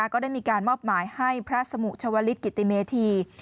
ก็ได้มีการมอบหมายให้พระสมุชวลิศกิติเมธี